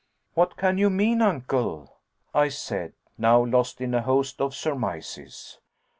"What can you mean, Uncle?" I said, now lost in a host of surmises.